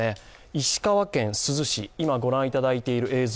石川県珠洲市、今ご覧いただいている映像